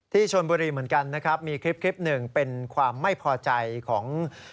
ชนบุรีเหมือนกันนะครับมีคลิปหนึ่งเป็นความไม่พอใจของ